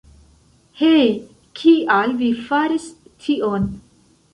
Hej, kial vi faris tion?